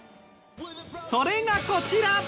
それがこちら！